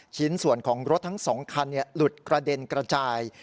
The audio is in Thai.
ชิ้นส่วนของรถทั้ง๒คันหลุดกระเด็นกระจาย